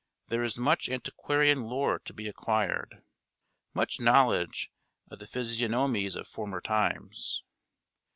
There is much antiquarian lore to be acquired; much knowledge of the physiognomies of former times.